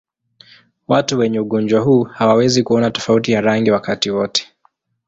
Watu wenye ugonjwa huu hawawezi kuona tofauti ya rangi wakati wote.